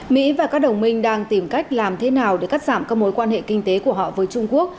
mỹ và các đồng minh đang tìm cách làm thế nào để cắt giảm các mối quan hệ kinh tế của họ với trung quốc